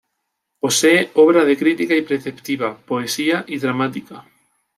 Posee obra de crítica y preceptiva, poesía y dramática.